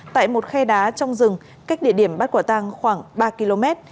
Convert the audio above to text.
tại một khe đá trong rừng cách địa điểm bắt quả tang khoảng ba km